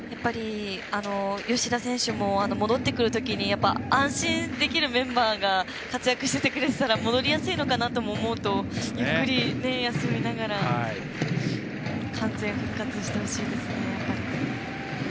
吉田選手も戻ってくるときに安心できるメンバーが活躍しててくれたら戻りやすいのかなとも思うとゆっくり休みながら完全復活してほしいですね。